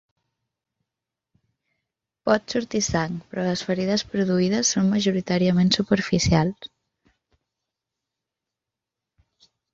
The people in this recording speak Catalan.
Pot sortir sang, però les ferides produïdes són majoritàriament superficials.